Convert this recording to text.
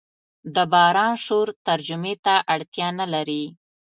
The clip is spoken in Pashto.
د باران شور ترجمې ته اړتیا نه لري.